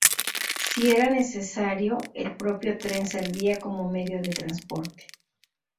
Si era necesario, el propio tren servía como medio de transporte.